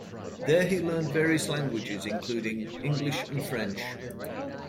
There, he learned various languages including English and French.